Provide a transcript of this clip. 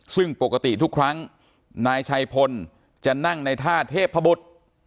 ซึ่งปกติทุกครั้งนายชัยพลจะนั่งในท่าเทพบุตร